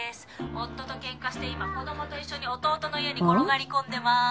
「夫と喧嘩して今子供と一緒に弟の家に転がり込んでます」